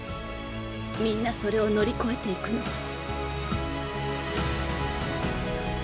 みんなそれを乗り越えていくの。